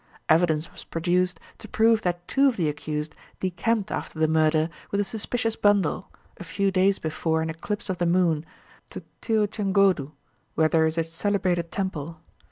Evidence was produced to prove that two of the accused decamped after the murder with a suspicious bundle, a few days before an eclipse of the moon, to Tiruchengodu where there is a celebrated temple.